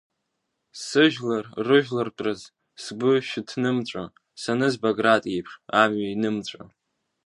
Сыжәлар рыжәлартәраз згәы шәыҭнымҵәо, саныз Баграт иеиԥш, амҩа инымҵәо…